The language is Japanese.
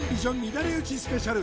乱れ打ちスペシャル